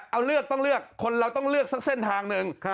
เอาเลือกต้องเลือกคนเราต้องเลือกสักเส้นทางหนึ่ง